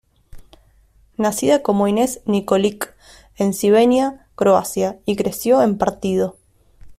Nacida como Ines Nikolić en Šibenik, Croacia y creció en Partido.